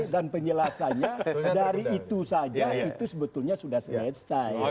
dan penjelasannya dari itu saja itu sebetulnya sudah selesai